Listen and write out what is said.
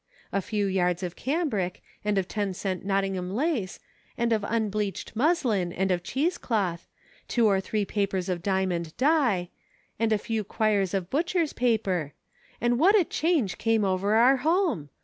A few yards of cambric, and of ten cent Nottingham lace, and of unbleached muslin, and of cheese cloth, two or three papers of Diamond Dye, and a few quires of butchers' paper — and what a change came over our home